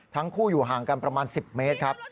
ทั้งคู่อยู่ห่างกันประมาณ๑๐เมตรครับ